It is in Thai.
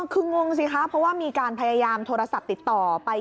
คืองงสิคะเพราะว่ามีการพยายามโทรศัพท์ติดต่อไป